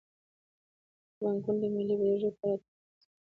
بانکونه د ملي بودیجې په راټولولو کې مرسته کوي.